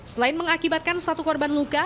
selain mengakibatkan satu korban luka